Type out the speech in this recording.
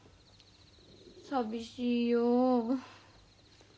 寂しいよう。